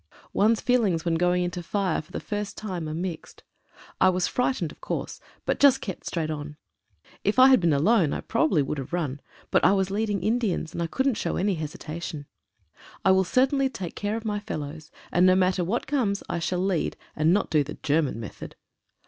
One's feelings when going into fire for the first time are mixed. I was frightened, of course, but just kept straight on. If I had been alone 1 would probably have run, but I was leading Indians, and I couldn't show any hesitation. I will certainly take care of m;y fellows, and no matter what comes I shall lead, and not do the German method.